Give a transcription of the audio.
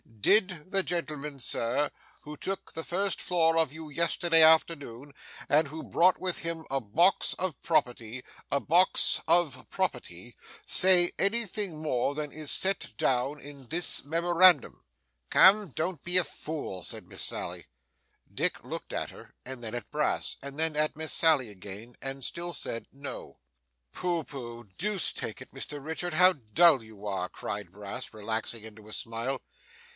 Did the gentleman, Sir, who took the first floor of you yesterday afternoon, and who brought with him a box of property a box of property say anything more than is set down in this memorandum?' 'Come, don't be a fool,' said Miss Sally. Dick looked at her, and then at Brass, and then at Miss Sally again, and still said 'No.' 'Pooh, pooh! Deuce take it, Mr Richard, how dull you are!' cried Brass, relaxing into a smile.